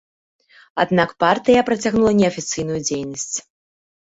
Аднак партыя працягнула неафіцыйную дзейнасць.